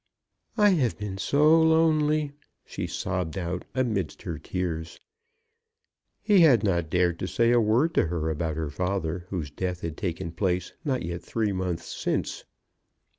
"I have been so lonely," she sobbed out amidst her tears. He had not dared to say a word to her about her father, whose death had taken place not yet three months since.